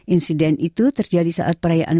insiden itu terjadi saat perayaan